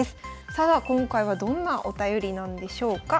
さあ今回はどんなお便りなんでしょうか。